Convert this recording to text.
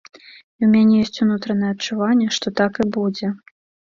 І ў мяне ёсць унутранае адчуванне, што так і будзе.